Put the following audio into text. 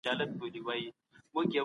هغه وويل چي تعليم مهم دی.